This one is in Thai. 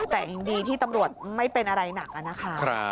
แต่ยังดีที่ตำรวจไม่เป็นอะไรหนักอะนะคะ